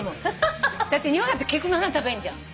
だって日本だって菊の花食べんじゃん。